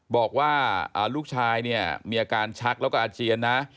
บอกว่าลูกชายเนี่ยมีอาการชักแล้วก็อาเจียนนะ